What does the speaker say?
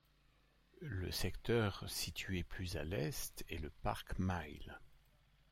Le secteur situé plus à l'est est le Park Mile.